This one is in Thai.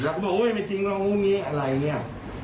แล้วก็บอกว่าเออไม่จริงแล้วมันอะไรเนี่ย